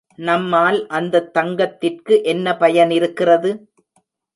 நம்மால் அந்தத் தங்கத்திற்கு என்ன பயன் இருக்கிறது?